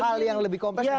hal yang lebih kompleks